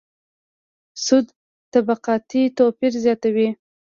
سود طبقاتي توپیر زیاتوي.